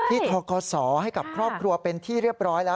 ทกศให้กับครอบครัวเป็นที่เรียบร้อยแล้ว